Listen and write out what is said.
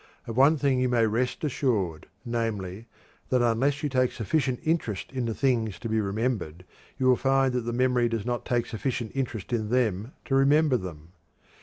Of one thing you may rest assured, namely, that unless you take sufficient interest in the things to be remembered, you will find that the memory will not take sufficient interest in them to remember them.